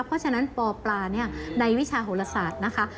เพราะฉะนั้นปปลาในวิชาโหลศาสตร์นะคะ